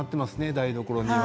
台所には。